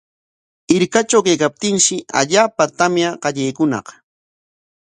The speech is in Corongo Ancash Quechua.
Hirkatraw kaykaptinshi allaapa tamya qallaykuñaq.